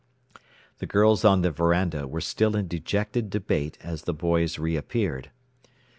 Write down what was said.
The girls on the veranda were still in dejected debate as the boys reappeared.